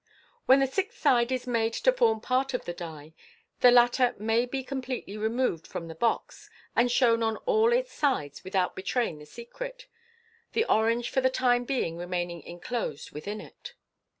When the sixth side is made to form part of the die, the latter may be com pletely removed from the box, and shown on all its sides without betraying the secret, the orange for the time being remaining enclosed within it.